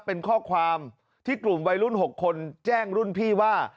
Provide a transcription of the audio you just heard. เป็นข้อความที่กลุ่มวัยรุ่น๖คนแจ้งรุ่นพี่ว่า